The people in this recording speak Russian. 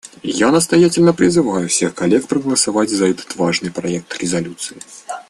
Я настоятельно призываю всех коллег проголосовать за этот важный проект резолюции.